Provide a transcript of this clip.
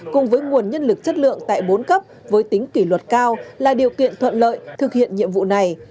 cùng với nguồn nhân lực chất lượng tại bốn cấp với tính kỷ luật cao là điều kiện thuận lợi thực hiện nhiệm vụ này